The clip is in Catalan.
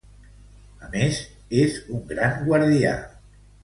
A més, és un gran guardià.